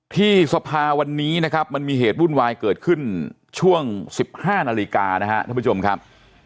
ที่สภาวันนี้นะครับมันมีเหตุวุ่นวายเกิดขึ้นช่วง๑๕นาฬิกานะครับท่านผู้ชมครับ